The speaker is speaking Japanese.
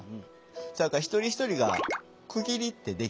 そやから一人一人が区切りってできないと思って。